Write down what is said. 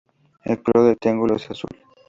El color del triángulo es azul.